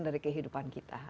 dari kehidupan kita